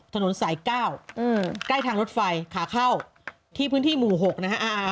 ถนนสาย๙ใกล้ทางรถไฟขาเข้าที่พื้นที่หมู่๖นะฮะ